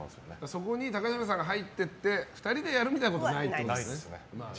そこに、高嶋さんが入って２人でやるみたいなことはないんですね。